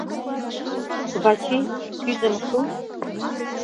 Вачи, кӱзым шу!